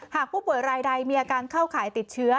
หากผู้ป่วยรายใดมีอาการเข้าข่ายติดเชื้อ